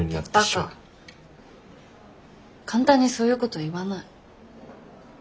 簡単にそういうこと言わない。